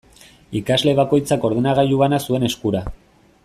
Ikasle bakoitzak ordenagailu bana zuen eskura.